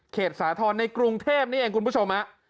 สาธรณ์ในกรุงเทพนี่เองคุณผู้ชมฮะ